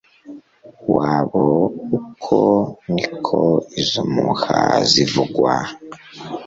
wabo Uko ni ko izo mpuha zivugwa